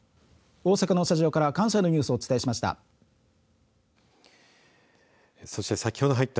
大阪のスタジオから関西のニュースをお伝えしました。